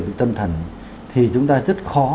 bị tâm thần thì chúng ta rất khó